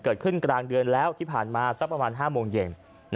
เกิดขึ้นกลางเดือนแล้วที่ผ่านมาสักประมาณ๕โมงเย็น